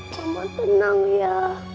kamu tenang ya